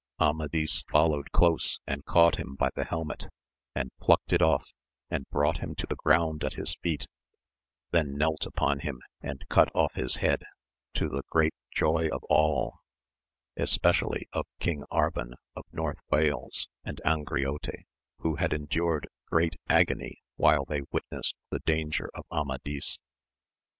Amadis followed close and caught him by the helmet, and plucked it off, and brought him to the ground at his feet, then knelt upon him and cut off his head, to the great joy of all, especially of King Arban of North Wales, and Angriote, who had endured great agony while they witnessed the danger of Amadis.